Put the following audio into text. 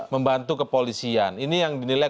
membantu kepolisian ini yang dinilai